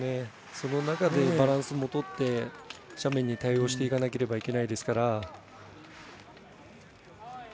その中でバランスもとって斜面に対応していかないといけないですから。